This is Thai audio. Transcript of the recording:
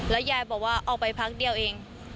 ยายบอกว่าออกไปพักเดียวเอง